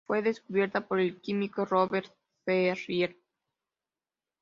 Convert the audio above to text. Fue descubierta por el químico Robert J. Ferrier.